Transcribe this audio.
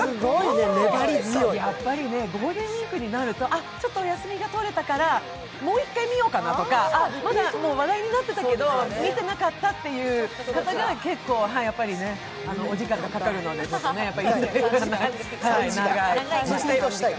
やっぱりね、ゴールデンウイークになると、ちょっとお休みが取れたからもう一回見ようかなとか話題になってたけど見てなかったという方が結構、お時間がかかるのでね、長い。